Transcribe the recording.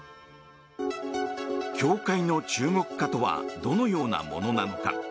教会の中国化とはどのようなものなのか。